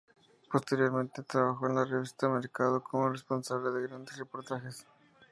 Posteriormente, trabajó en la revista "Mercado" como responsable de grandes reportajes.